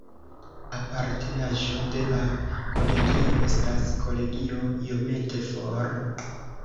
Apartenaĵo de la kolegio estas kolegio iomete for.